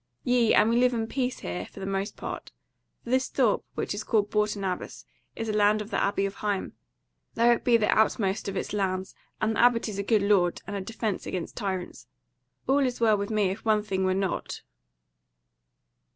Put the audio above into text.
Yea, and we live in peace here for the most part; for this thorp, which is called Bourton Abbas, is a land of the Abbey of Higham; though it be the outermost of its lands and the Abbot is a good lord and a defence against tyrants. All is well with me if one thing were not."